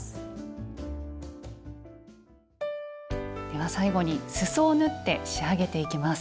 では最後にすそを縫って仕上げていきます。